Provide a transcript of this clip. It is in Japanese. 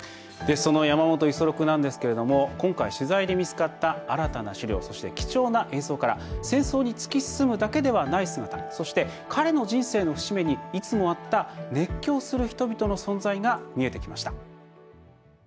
その山本五十六なんですけれども今回取材で見つかった新たな史料そして貴重な映像から戦争に突き進むだけではない姿そして彼の人生の節目にいつもあった熱狂する人々の存在が見えてきました。